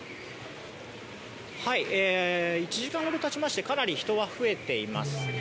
１時間ほど経ちましてかなり人は増えています。